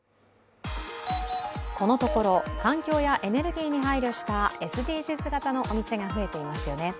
このところ環境やエネルギーに配慮したＳＤＧｓ型のお店が増えていますよね。